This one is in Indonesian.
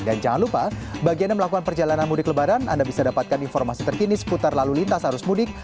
dan jangan lupa bagian yang melakukan perjalanan mudik lebaran anda bisa dapatkan informasi terkini seputar lalu lintas arus mudik